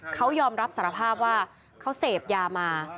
เขายอมรับสารภาพว่าเขาเสพยามา